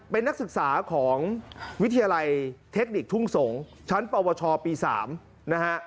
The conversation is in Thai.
เป็นนักศึกษาของวิทยาลัยเทคนิคทุ่งสงศ์ชั้นปวชปี๓นะฮะ